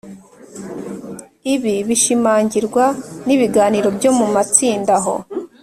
Ibi bishimangirwa n ibiganiro byo mu matsinda aho